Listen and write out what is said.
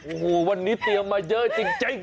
โอ้โหวันนี้เตรียมมาเยอะจริง